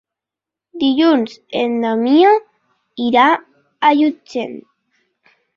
Dilluns en Damià irà a Llutxent.